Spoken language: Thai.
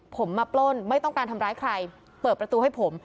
ผมมาปล้นไม่ต้องการทำร้ายใครเปิดประตูให้ผม